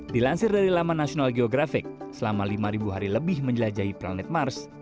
dilansir dari laman national geographic selama lima hari lebih menjelajahi planet mars